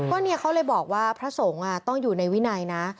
ก็เนี่ยเขาเลยบอกว่าพระสงฆ์ต้องอยู่ในวินัยนะ